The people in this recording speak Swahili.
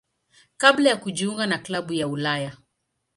kabla ya kujiunga na klabu ya Ulaya.